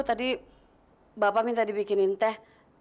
tadi bapak minta dibikinin teh